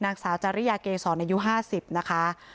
นางสาวจาริยาเกย์สอนอายุ๕๐นะคะ